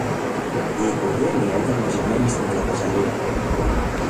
Η οικογένεια ήταν μαζεμένη στην τραπεζαρία